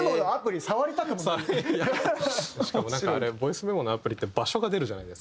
しかもボイスメモのアプリって場所が出るじゃないですか。